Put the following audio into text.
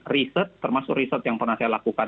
riset termasuk riset yang pernah saya lakukan